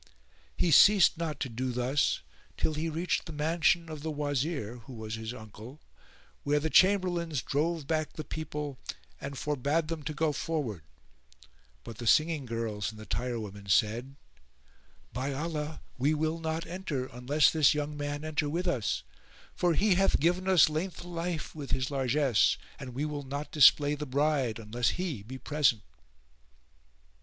He ceased not to do thus till he reached the mansion of the Wazir (who was his uncle), where the Chamberlains drove back the people and forbade them to go forward; but the singing girls and the tirewomen said, "By Allah we will not enter unless this young man enter with us, for he hath given us length o' life with his largesse and we will not display the bride unless he be present."